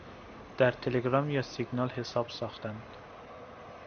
در تلگرام یا سیگنال حساب ساختند